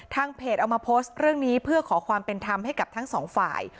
เพจเอามาโพสต์เรื่องนี้เพื่อขอความเป็นธรรมให้กับทั้งสองฝ่าย